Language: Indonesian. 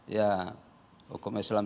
ya hukum islam